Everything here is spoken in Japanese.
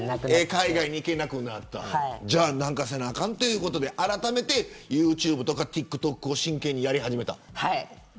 海外に行けなくなって何かせなあかんということであらためてユーチューブとかＴｉｋＴｏｋを真剣にやり始めた。